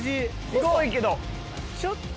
細いけど。